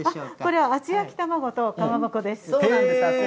これは厚焼き卵とかまぼこです。